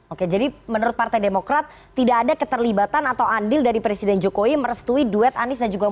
oke jadi menurut partai demokrat tidak ada keterlibatan atau andil dari presiden jokowi merestui duet anies dan jokowi